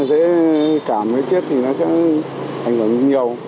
sẽ cảm cái tiết thì nó sẽ ảnh hưởng nhiều